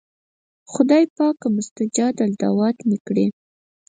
خدایه پاکه مستجاب الدعوات مې کړې.